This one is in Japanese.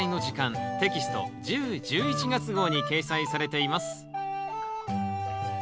テキスト１０・１１月号に掲載されています。